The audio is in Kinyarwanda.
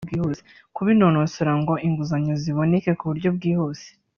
kubinonosora ngo inguzanyo ziboneke ku buryo bwihuse